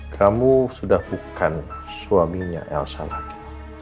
kamu sudah bukan suaminya elsa lagi